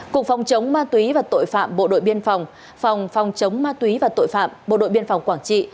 cục phòng chống ma túy và tội phạm bộ đội biên phòng phòng chống ma túy và tội phạm bộ đội biên phòng quảng trị